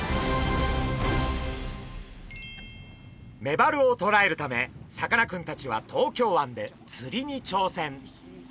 メバルをとらえるためさかなクンたちは東京湾で釣りに挑戦！